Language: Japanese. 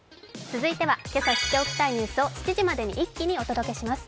続いては今朝知っておきたいニュースを７時までに一気にお届けします。